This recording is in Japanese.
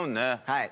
はい。